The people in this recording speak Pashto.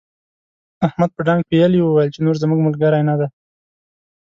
احمد په ډانګ پېيلې وويل چې نور زموږ ملګری نه دی.